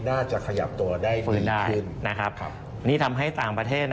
น่าจะขยับตัวได้ดีขึ้น